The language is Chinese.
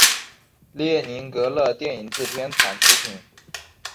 列宁格勒电影制片厂出品。